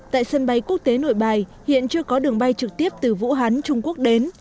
tại sân bay quốc tế nội bài hiện chưa có đường bay trực tiếp từ vũ hán trung quốc đến